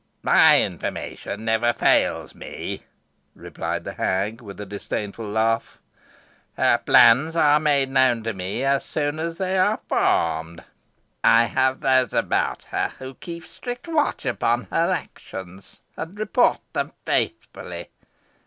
"My information never fails me," replied the hag, with a disdainful laugh. "Her plans are made known to me as soon as formed. I have those about her who keep strict watch upon her actions, and report them faithfully.